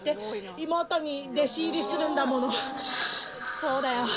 そうだよ